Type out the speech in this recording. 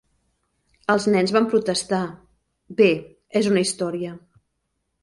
Els nens van protestar: bé, és una història.